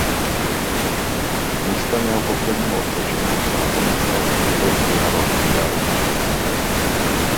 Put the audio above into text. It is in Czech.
Místem jeho posledního odpočinku se nakonec stal hřbitov v jeho rodných Jaroměřicích.